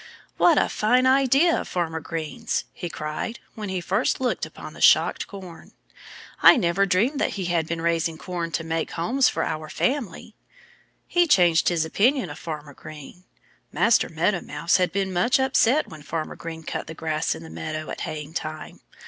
"What a fine idea of Farmer Green's!" he cried, when he first looked upon the shocked corn. "I never dreamed that he had been raising corn to make homes for our family." He changed his opinion of Farmer Green. Master Meadow Mouse had been much upset when Farmer Green cut the grass in the meadow at haying time.